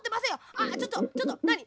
あちょっとちょっとなに？